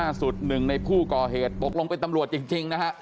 หนึ่งในผู้ก่อเหตุตกลงเป็นตำรวจจริงนะฮะ